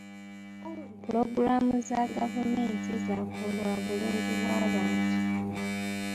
Pulogulaamu za gavumenti za ku lwabulungi bw'abantu.